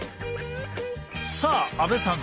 さあ阿部さん